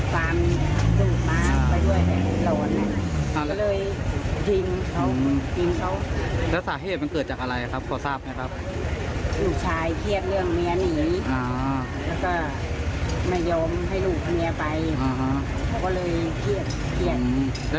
แล้วได้เห็นได้ข่าวว่าเมื่อคืนกระโดดข้ามมาบ้านหลังนี้ด้วยคิดระแวงใช่ไหมครับ